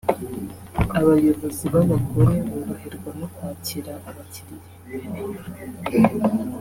Abayobozi b’abagore boroherwa no kwakira abakiriya